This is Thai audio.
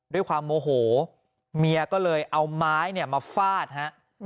ด้วยความโมโหเมียก็เลยเอาไม้เนี่ยมาฟาดฮะ